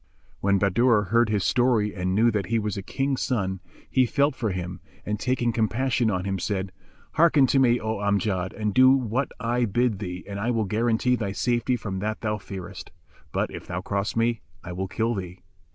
[FN#390] When Bahadur heard his story and knew that he was a King's son, he felt for him and, taking compassion on him, said, "Hearken to me, O Amjad, and do what I bid thee and I will guarantee thy safety from that thou fearest; but, if thou cross me, I will kill thee."